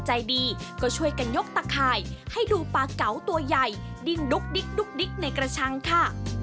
เจ้าถิ่นใจดีก็ช่วยกันยกตะข่ายให้ดูปลาเก๋าตัวใหญ่ดิ้งดุ๊กดิ๊กในกระชังค่ะ